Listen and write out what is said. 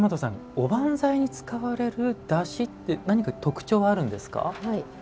おばんざいに使われる、だしって何か特徴はあるんですか？